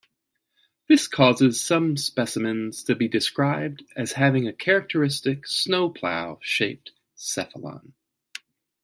This causes some specimens to be described as having a characteristic "snowplow" shaped cephalon.